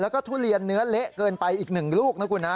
แล้วก็ทุเรียนเนื้อเละเกินไปอีก๑ลูกนะคุณนะ